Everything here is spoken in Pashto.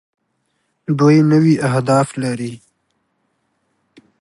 دوی نوي اهداف لري.